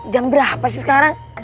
jam berapa sih sekarang